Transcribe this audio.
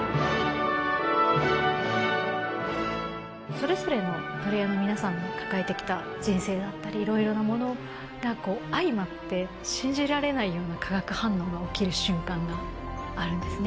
それぞれのプレーヤーの皆さんが抱えてきた人生だったりいろいろなものが相まって信じられないような化学反応が起きる瞬間があるんですね